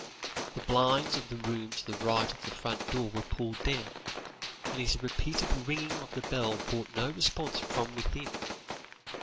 The blinds of the room to the right of the front door were pulled down, and his repeated ringing of the bell brought no response from within.